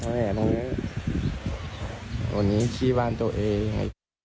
ตรงนี้ขี้บ้านตัวเอง